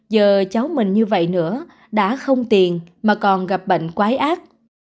giờ cháu mình như vậy nữa đã không tiền mà còn gặp bệnh quái ác